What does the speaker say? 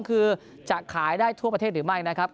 ๒คือจะขายได้ทั่วประเทศหรือไม่